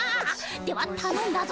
ではたのんだぞ。